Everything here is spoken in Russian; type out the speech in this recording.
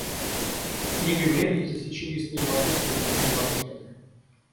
Книгой времени тысячелистой революции дни не воспеты.